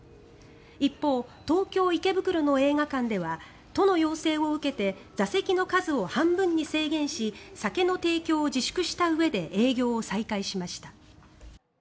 一方、東京・池袋の映画館では都の要請を受けて座席の数を半分に制限し酒の提供を自粛したうえで営業を再開しました。